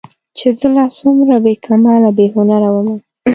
چې زه لا څومره بې کماله بې هنره ومه